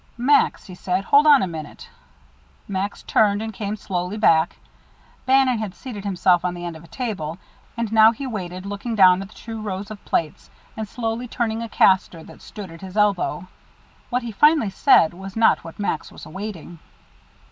"Max," he said, "hold on a minute." Max turned and came slowly back. Bannon had seated himself on the end of a table, and now he waited, looking down at the two rows of plates, and slowly turning a caster that stood at his elbow. What he finally said was not what Max was awaiting.